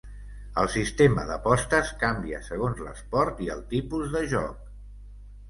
El sistema d'apostes canvia segons l'esport i el tipus de joc.